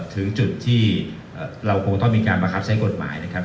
ถึงจุดที่เราคงต้องมีการบังคับใช้กฎหมายนะครับ